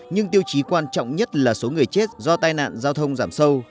nhưng tiêu chí quan trọng nhất là số người chết do tai nạn giao thông giảm sâu